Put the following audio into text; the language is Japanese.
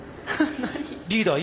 リーダー